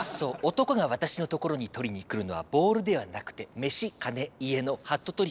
男が私の所に取りに来るのはボールではなくて飯金家のハットトリック！